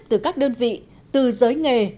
từ các đơn vị từ giới nghề